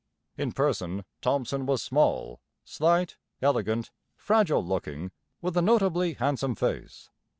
In person Thomson was small, slight, elegant, fragile looking, with a notably handsome face.